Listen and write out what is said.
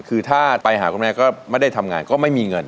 คือถ้าไปหาคุณแม่ก็ไม่ได้ทำงานก็ไม่มีเงิน